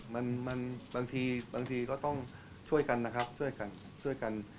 บางทีก็ต้องช่วยกันนะครับช่วยกัน